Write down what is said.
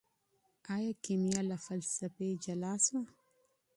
ايا کيميا له فلسفې جلا سوه؟